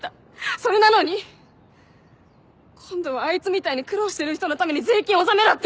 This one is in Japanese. それなのに今度はあいつみたいに苦労してる人のために税金納めろって。